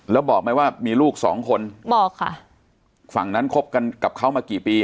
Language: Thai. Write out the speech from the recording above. แล้วบอกไหมว่ามีลูกสองคนบอกค่ะฝั่งนั้นคบกันกับเขามากี่ปี